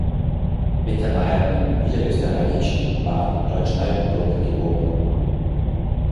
Mittermaier im niederösterreichischen Bad Deutsch-Altenburg geboren.